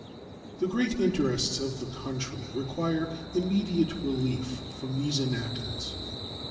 The great interests of the country require immediate relief from these enactments.